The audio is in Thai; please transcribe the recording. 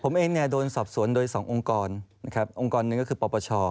ผมเองเนี่ยโดนสอบสวนโดย๒องค์กรนะครับองค์กรหนึ่งก็คือปปช